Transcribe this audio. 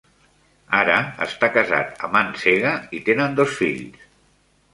Ara està casat amb Ann Sega i tenen dos fills.